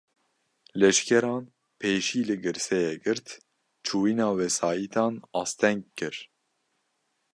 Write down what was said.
Leşkeran, pêşî li girseyê girt, çûyîna wesaîtan asteng kir